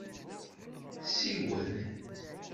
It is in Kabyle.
Siwel.